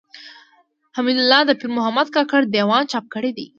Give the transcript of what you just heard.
حمدالله د پيرمحمد کاکړ د ېوان چاپ کړی دﺉ.